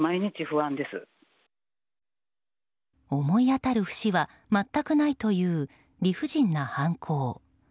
思い当たる節は全くないという理不尽な犯行。